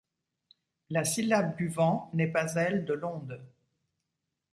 La syllabe du vent n’est pas elle de l’onde ;